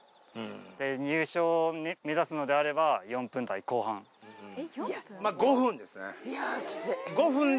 入賞目指すのであれば、４分台後まあ、５分ですね。